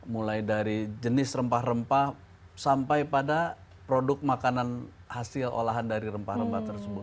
mulai dari jenis rempah rempah sampai pada produk makanan hasil olahan dari rempah rempah tersebut